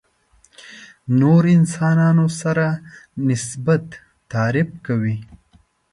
نورو انسانانو سره نسبت تعریف کوي.